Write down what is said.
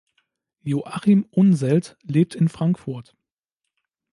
Joachim Unseld lebt in Frankfurt.